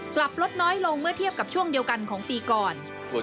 กลับลดน้อยลงเมื่อเทียบกับช่วงเดียวกันของปีก่อน